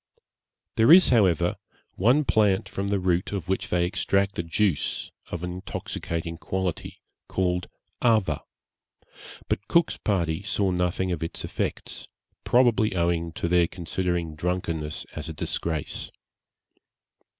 There is, however, one plant from the root of which they extract a juice of an intoxicating quality, called Ava, but Cook's party saw nothing of its effects, probably owing to their considering drunkenness as a disgrace.